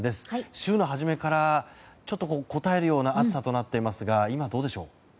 週の初めからちょっとこたえるような暑さとなっていますが今、どうでしょう。